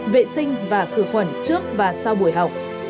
vệ sinh và khử khuẩn trước và sau buổi học